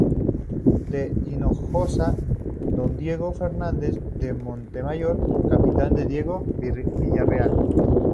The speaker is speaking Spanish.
De Hinojosa, Don Diego Fernández de Montemayor, Capitán Diego Villarreal.